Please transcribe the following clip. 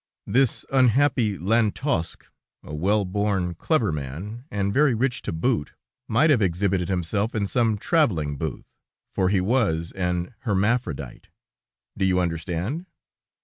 This unhappy Lantosque, a well born, clever man, and very rich to boot, might have exhibited himself in some traveling booth, for he was an hermaphrodite; do you understand?